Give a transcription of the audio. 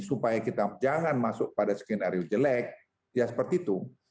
supaya kita jangan masuk pada skenario jelek ya seperti itu